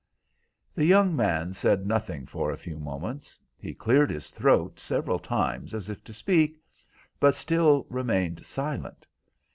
The young man said nothing for a few moments. He cleared his throat several times as if to speak, but still remained silent.